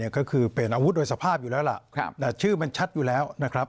ก็คือเป็นอาวุธโดยสภาพอยู่แล้วล่ะแต่ชื่อมันชัดอยู่แล้วนะครับ